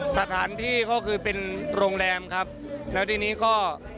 สถานที่ก็คือเป็นโรงแรมครับแล้วทีนี้ก็